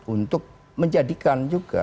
untuk menjadikan juga